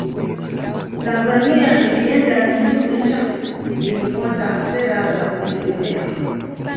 Tanzania ilienda kinyume chake ilifuata sera za kujitegemea